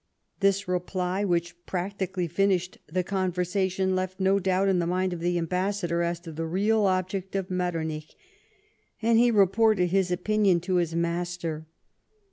This reply, Avhich practically finished the conversation, left no doubt in the mind of the ambassador as to the real object of Metternich, and he reported his opinion to his master.